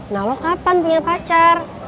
nah lo kapan punya pacar